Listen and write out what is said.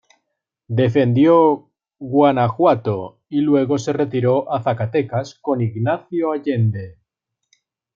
Defendió Guanajuato, y luego se retiró a Zacatecas con Ignacio Allende.